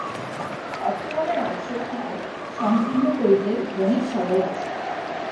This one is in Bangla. অর্থবলে রাজশক্তিকে সংকীর্ণ করিতে বণিক সদাই ব্যস্ত।